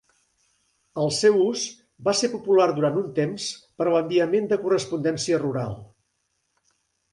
El seu ús va ser popular durant un temps per a l'enviament de correspondència rural.